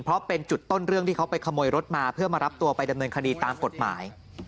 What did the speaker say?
เพราะเป็นจุดต้นเรื่องที่เขาไปขโมยรถมาเพื่อมารับตัวไปดำเนินคดีตามกฎหมาย